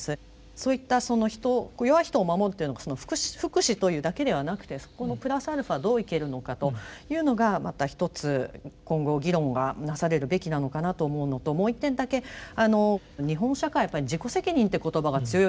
そういったその人弱い人を守るというのが福祉というだけではなくてそこのプラスアルファどう生きるのかというのがまたひとつ今後議論がなされるべきなのかなと思うのともう一点だけ日本社会はやっぱり自己責任って言葉が強いのかなと。